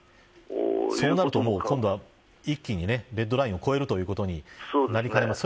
となると一気にレッドラインを越えるということになります。